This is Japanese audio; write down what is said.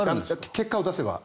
結果を出せば。